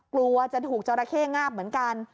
กลัวจะถูกจราเข้งาบเหมือนกัน